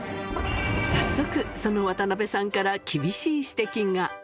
早速、その渡邉さんから厳しい指摘が。